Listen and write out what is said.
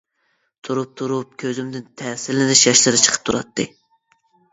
تۇرۇپ-تۇرۇپ كۆزۈمدىن تەسىرلىنىش ياشلىرى چىقىپ تۇراتتى.